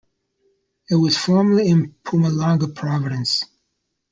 It was formerly in Mpumalanga province.